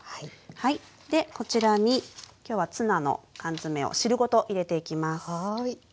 でこちらに今日はツナの缶詰を汁ごと入れていきます。